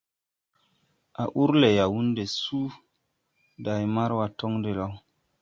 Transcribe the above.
A ur le Yawunde suu a day Marwa tɔŋ de law.